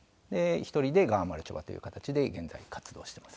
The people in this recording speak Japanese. １人でがまるちょばという形で現在活動してます。